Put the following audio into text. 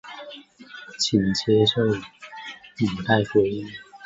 耶稣步道的圣经依据出自马太福音。